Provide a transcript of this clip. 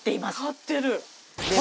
勝ってる！